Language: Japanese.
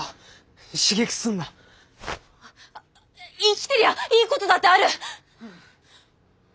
生きてりゃいいことだってある！